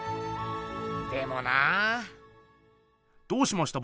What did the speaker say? でもなぁ。どうしました？